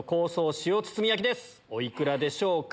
お幾らでしょうか？